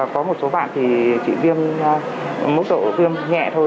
có một số bạn chỉ viêm mức độ viêm nhẹ thôi